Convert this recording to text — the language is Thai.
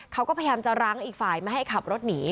เขาก็พยายามจะรั้งอีกฝ่ายไม่ให้ขับรถหนี